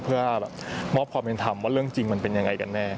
เพื่อมอบความเป็นธรรมว่าเรื่องจริงมันเป็นยังไงกันแน่